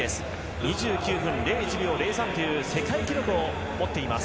２９分０１秒０３という世界記録を持っています。